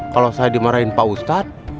kalau saya dimarahin pak ustadz